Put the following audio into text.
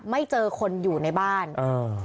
ไม่เจอคนอยู่ในบ้านเออ